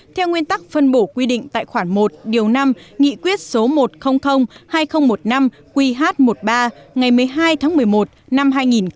theo nguyên tắc phân bổ quy định tại khoản một điều năm nghị quyết số một trăm linh hai nghìn một mươi năm qh một mươi ba ngày một mươi hai tháng một mươi một năm hai nghìn một mươi